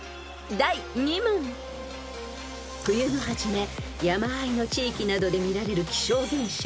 ［冬のはじめ山あいの地域などで見られる気象現象］